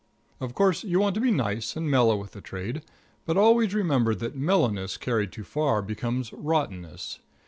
Of course, you want to be nice and mellow with the trade, but always remember that mellowness carried too far becomes rottenness.